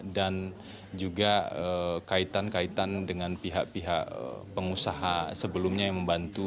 dan juga kaitan kaitan dengan pihak pihak pengusaha sebelumnya yang membantu